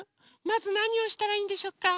まずなにをしたらいいんでしょうか？